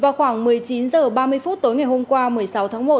vào khoảng một mươi chín h ba mươi phút tối ngày hôm qua một mươi sáu tháng một